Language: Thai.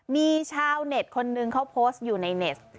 มีชาวเน็ตคนนึงเขาโพสต์อยู่ในเน็ต